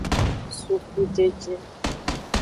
Sukujeje.